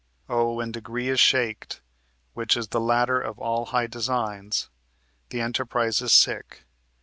Oh, when degree is shaked, Which is the ladder of all high designs, The enterprise is sick.